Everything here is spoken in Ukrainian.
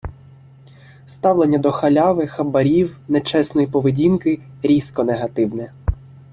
Ставлення до халяви, хабарів, нечесної поведінки - різко негативне.